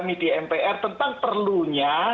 kami di mpr tentang perlunya